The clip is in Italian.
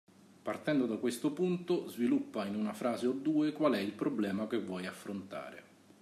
Partendo da questo punto, sviluppa in una frase o due qual è il problema che vuoi affrontare.